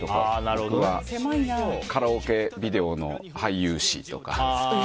あとはカラオケビデオの俳優史とか。